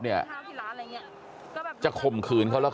กลับไปลองกลับ